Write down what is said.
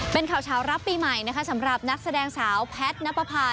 เป็นข่าวเช้ารับปีใหม่นะคะสำหรับนักแสดงสาวแพทย์นับประพา